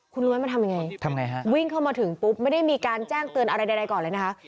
คุณรู้ไหมมาทำยังไงทำไงฮะวิ่งเข้ามาถึงปุ๊บไม่ได้มีการแจ้งเตือนอะไรใดก่อนเลยนะคะ